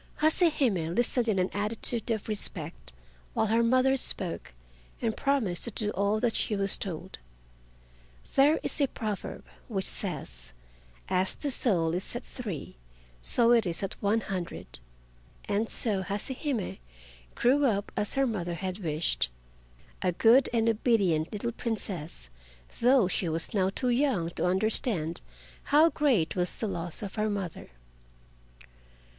Hase Hime listened in an attitude of respect while her mother spoke, and promised to do all that she was told. There is a proverb which says "As the soul is at three so it is at one hundred," and so Hase Hime grew up as her mother had wished, a good and obedient little Princess, though she was now too young to understand how great was the loss of her mother.